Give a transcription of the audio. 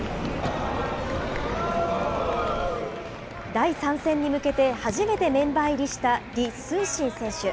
第３戦に向けて、初めてメンバー入りした李承信選手。